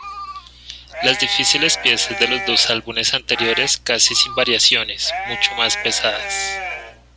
Las difíciles piezas de los dos álbumes anteriores casi sin variaciones, mucho más pesadas.